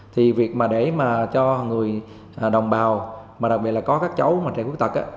thì việc để cho người đồng bào đặc biệt là có các cháu trẻ khuyết tật